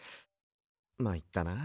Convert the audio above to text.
まいったな。